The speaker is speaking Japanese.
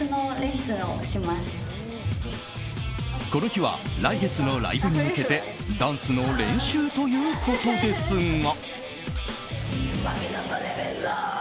この日は来月のライブに向けてダンスの練習ということですが。